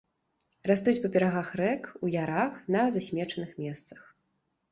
Растуць па берагах рэк, у ярах, на засмечаных месцах.